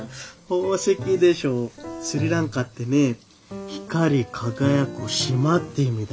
スリランカってね光輝く島って意味だよ。